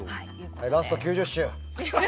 はいラスト９０周。